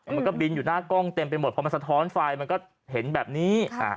มันก็บินอยู่หน้ากล้องเต็มไปหมดพอมันสะท้อนไฟมันก็เห็นแบบนี้